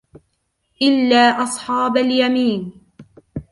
إِلاَّ أَصْحَابَ الْيَمِينِ